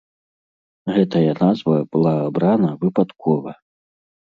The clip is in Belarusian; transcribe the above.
Гэтая назва была абрана выпадкова.